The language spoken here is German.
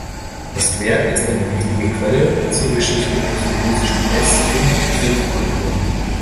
Das Werk ist eine wichtige Quelle zur Geschichte der chinesischen Ess- und Trinkkultur.